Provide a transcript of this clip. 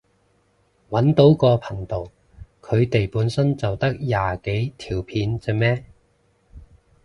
搵到個頻道，佢哋本身就得廿幾條片咋咩？